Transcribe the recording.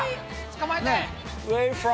捕まえて。